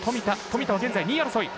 富田は現在２位争い。